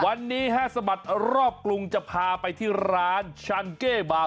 วันนี้ฮะสะบัดรอบกรุงจะพาไปที่ร้านชันเก้บาร์